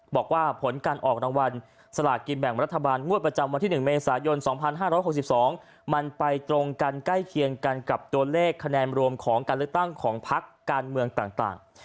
บอกว่าผลการออกรางวัลสลากกินแบ่งรัฐบาลงวดประจำวันที่๑เมษายน๒๕๖๒มันไปตรงกันใกล้เคียงกันกับตัวเลขคะแนนรวมของการเลือกตั้งของพักการเมืองต่าง